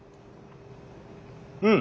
うん。